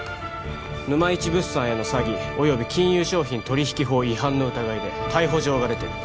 ぬまいち物産への詐欺および金融商品取引法違反の疑いで逮捕状が出てる